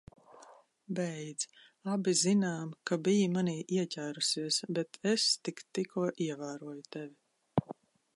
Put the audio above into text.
Beidz. Abi zinām, ka biji manī ieķērusies, bet es tik tikko ievēroju tevi.